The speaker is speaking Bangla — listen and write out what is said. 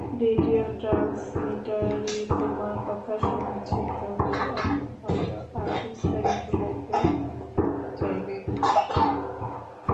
রেডিও ট্রান্সমিটারে তোমার কথা শুনেছি, তবে এখন হয়ত আরও বিস্তারিত বলতে চাইবে।